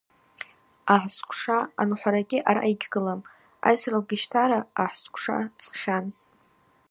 Агӏсквша анухӏварагьи араъа йгьгылам – айсра алгищтара агӏсквша цӏхьан.